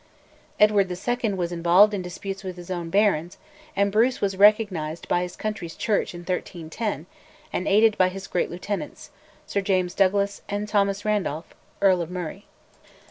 Edward II. was involved in disputes with his own barons, and Bruce was recognised by his country's Church in 1310 and aided by his great lieutenants, Sir James Douglas and Thomas Randolph, Earl of Murray.